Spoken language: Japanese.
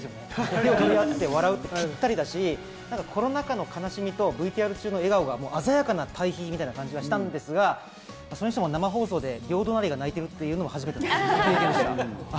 手を取り合って笑うってピッタリだしコロナ禍の悲しみとＶＴＲ中の笑顔が鮮やかな対比みたいな感じがしたんですがそれにしても生放送で両隣が泣いてるっていうのも初めての経験でした。